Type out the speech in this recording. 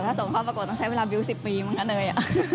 ถ้าส่งเข้าประกวดต้องใช้เวลาบิวต์๑๐ปีเหมือนกันเลย